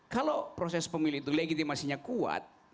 kalau proses pemilih itu legitimasinya kuat